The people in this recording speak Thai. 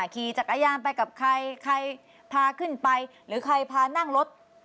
ขี่จักรยานไปกับใครใครพาขึ้นไปหรือใครพานั่งรถ